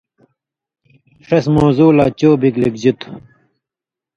ݜس موضوع لا چو بِگ لِکژی تُھو